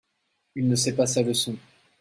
Il ne sait pas sa leçon.